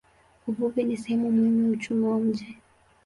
Uvuvi ni sehemu muhimu ya uchumi wa mji.